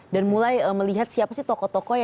dan mulai melihat siapa sih tokoh tokoh